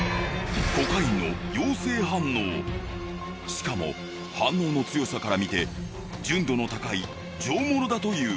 しかも反応の強さから見て純度の高い上物だという。